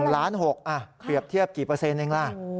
ล้าน๖เปรียบเทียบกี่เปอร์เซ็นต์เองล่ะ